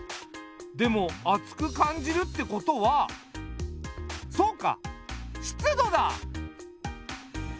でも暑く感じるってことはそうか湿度だ！